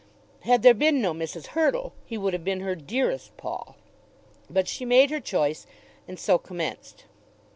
Had there been no Mrs. Hurtle he would have been her "Dearest Paul," but she made her choice, and so commenced.